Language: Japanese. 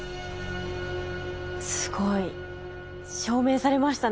すごい。証明されましたね。